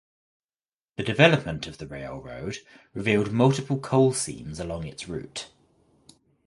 The development of the railroad revealed multiple coal seams along its route.